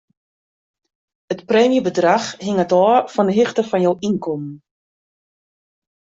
It preemjebedrach hinget ôf fan 'e hichte fan jo ynkommen.